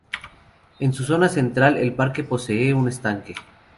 En su zona central el parque posee un estanque.